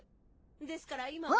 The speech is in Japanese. ですから今は。